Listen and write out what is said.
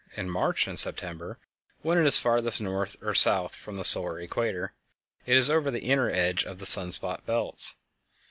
_ in March and September—when it is farthest north or south of the solar equator, it is over the inner edge of the sun spot belts.